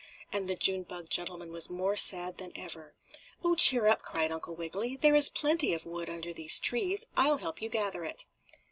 and the June bug gentleman was more sad than ever. "Oh, cheer up!" cried Uncle Wiggily. "There is plenty of wood under these trees. I'll help you gather it."